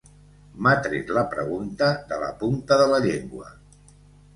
M'ha tret la pregunta de la punta de la llengua.